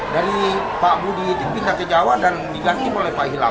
dari pak budi tindika ke jawa dan diganti oleh pak hilal